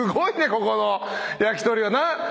ここの焼き鳥は。